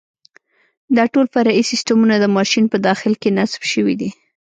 دا ټول فرعي سیسټمونه د ماشین په داخل کې نصب شوي دي.